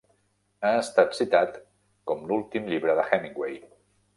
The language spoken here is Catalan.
Ha estat citat com l'últim llibre de Hemingway.